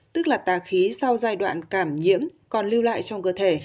tức là tà khí sau giai đoạn cảm nhiễm còn lưu lại trong cơ thể